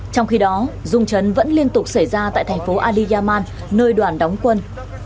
trong khi đó dung chấn vẫn liên tục xảy ra tại thành phố adiyaman nơi đoàn đóng quân